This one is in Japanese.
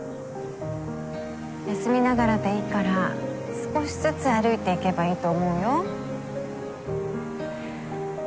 休みながらでいいから少しずつ歩いていけばいいと思うよ。